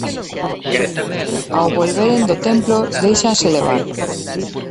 Ao volveren do templo déixanse levar.